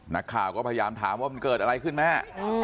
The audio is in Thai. นักข่าวก็พยายามถามว่ามันเกิดอะไรขึ้นแม่